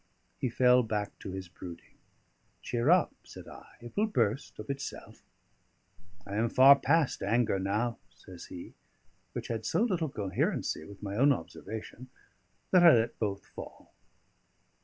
He fell back to his brooding. "Cheer up," said I. "It will burst of itself." "I am far past anger now," says he, which had so little coherency with my own observation that I let both fall.